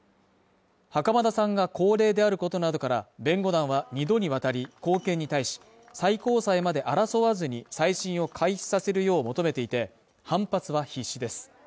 袴田さんが高齢であることなどから、弁護団は、２度にわたり高検に対し、最高裁まで争わずに再審を開始させるよう求めていて、反発は必至です。